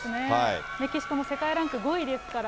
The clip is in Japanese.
メキシコも世界ランク５位ですから。